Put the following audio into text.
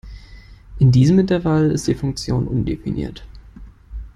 In diesem Intervall ist die Funktion undefiniert.